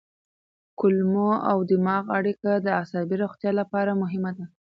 کولمو او دماغ اړیکه د عصبي روغتیا لپاره مهمه ده.